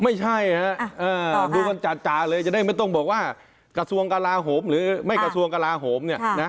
ไม่ใช่ฮะดูกันจ่าเลยจะได้ไม่ต้องบอกว่ากระทรวงกลาโหมหรือไม่กระทรวงกลาโหมเนี่ยนะ